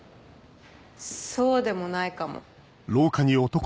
そうでもないかも。